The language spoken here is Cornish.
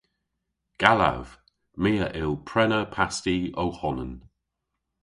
Gallav. My a yll prena pasti ow honan.